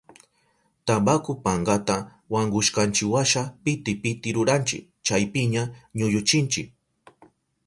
Tabaku pankata wankushkanchiwasha piti piti ruranchi, chaypiña ñuyuchinchi.